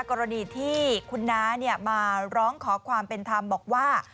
กรณีที่คุณน้ามาร้องขอความเป็นธรรมบอกว่า